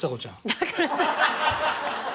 だからさ。